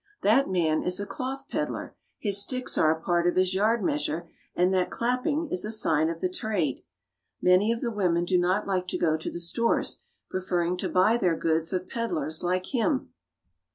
That man is a cloth peddler, his sticks are a part of his yard measure, and that clapping is the sign of his trade. Many of the women do not like to Onion Stall in the Market. RIO DE JANEIRO. 277 go to the stores, preferring to buy their goods of peddlers like him.